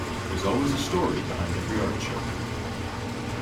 There's always a story behind every art show.